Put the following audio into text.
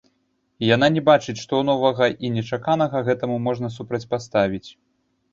І яна не бачыць, што новага і нечаканага гэтаму можна супрацьпаставіць.